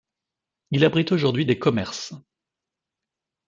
Il abrite aujourd’hui des commerces.